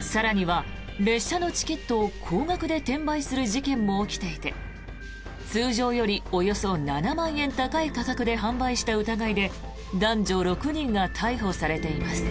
更には列車のチケットを高額で転売する事件も起きていて通常よりおよそ７万円高い価格で販売した疑いで男女６人が逮捕されています。